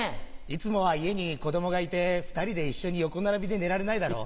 いつもは家に子供がいて２人で一緒に横並びで寝られないだろ。